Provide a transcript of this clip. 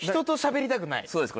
そうです